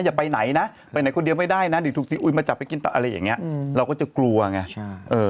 อย่าไปไหนนะไปไหนคนเดียวไม่ได้นะเดี๋ยวถูกซีอุยมาจับไปกินต่ออะไรอย่างนี้เราก็จะกลัวไง